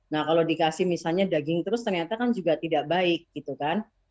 nah kalau dikasih misalnya daging terus ternyata kan juga tidak baik gitu kan